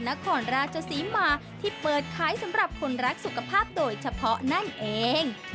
นครราชศรีมาที่เปิดขายสำหรับคนรักสุขภาพโดยเฉพาะนั่นเอง